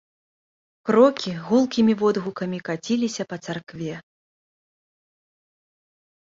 Крокі гулкімі водгукамі каціліся па царкве.